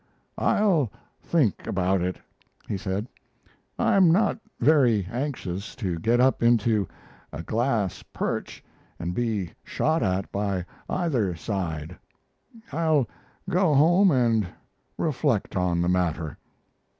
"I'll think about it," he said. "I'm not very anxious to get up into a glass perch and be shot at by either side. I'll go home and reflect on the matter."